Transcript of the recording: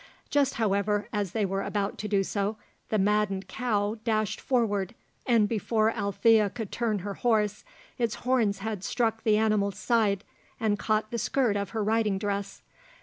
Just, however, as they were about to do so, the maddened cow dashed forward, and before Alethea could turn her horse, its horns had struck the animal's side, and caught the skirt of her riding dress.